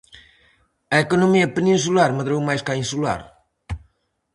A economía peninsular medrou máis ca a insular.